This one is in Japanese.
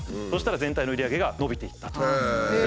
そしたら全体の売り上げが伸びていったと。